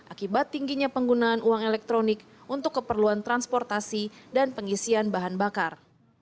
akibat tingginya penggunaan uang elektronik untuk keperluan transportasi dan pengisian bahan bakar